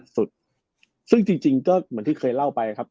สุดซึ่งจริงก็เหมือนที่เคยเล่าไปครับ